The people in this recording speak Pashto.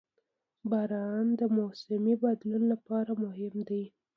• باران د موسمي بدلون لپاره مهم دی.